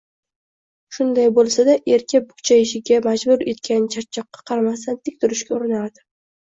Shunday bo`lsa-da, erga bukchayishga majbur etgan charchoqqa qaramasdan tik turishga urinardi